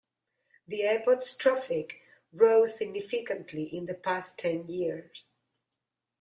The airport's traffic rose significantly in the past ten years.